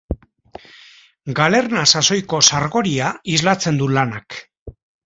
Galerna sasoiko sargoria islatzen du lanak.